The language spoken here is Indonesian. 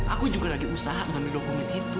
aku juga lagi usaha ngambil dokumen itu